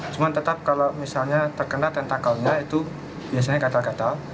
cuma tetap kalau misalnya terkena tentakalnya itu biasanya gatal gatal